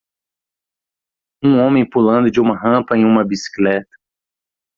um homem pulando de uma rampa em uma bicicleta